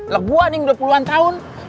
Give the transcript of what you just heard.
lu buah nih dua puluh an tahun